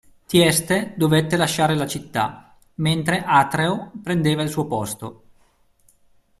Tieste dovette lasciare la città, mentre Atreo prendeva il suo posto.